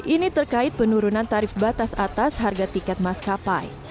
ini terkait penurunan tarif batas atas harga tiket maskapai